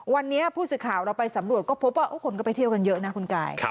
วันนี้ผู้สื่อข่าวเราไปสำรวจก็พบว่าคนก็ไปเที่ยวกันเยอะนะคุณกาย